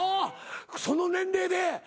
その年齢で？